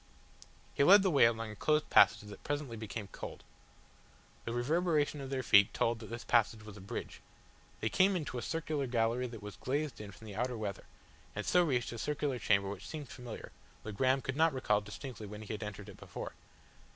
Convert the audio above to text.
He led the way along a closed passage that presently became cold. The reverberation of their feet told that this passage was a bridge. They came into a circular gallery that was glazed in from the outer weather, and so reached a circular chamber which seemed familiar, though Graham could not recall distinctly when he had entered it before.